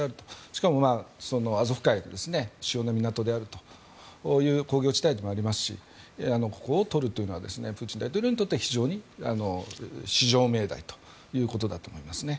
しかもアゾフ海の主要な港であり工業地帯でもありますしここをとるというのはプーチン大統領にとっては非常に、至上命題ということだと思いますね。